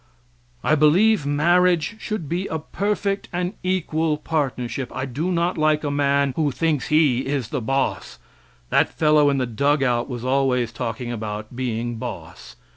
I believe marriage should be a perfect and equal partnership. I do not like a man who thinks he is boss. That fellow in the dug out was always talking about being boss.